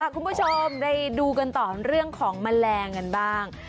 คุณผู้ชมได้ดูกันต่อเรื่องของแมลงกันบ้าง